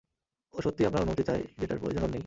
ও সত্যিই আপনার অনুমতি চায় যেটার প্রয়োজন ওর নেই।